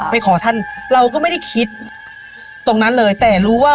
ขอท่านเราก็ไม่ได้คิดตรงนั้นเลยแต่รู้ว่า